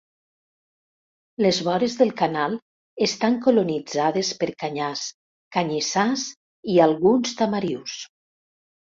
Les vores del canal estan colonitzades per canyars, canyissars i alguns tamarius.